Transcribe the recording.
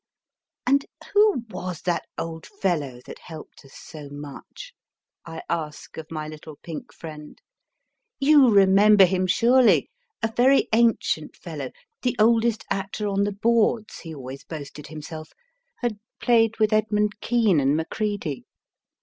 And who was that old fellow that helped us so much ? I ask of my little pink friend ; you remember him surely a very ancient fellow, the oldest actor on the boards he always boasted himself had played with Edmund Kean and Mac read}